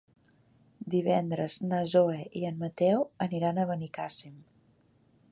Divendres na Zoè i en Mateu aniran a Benicàssim.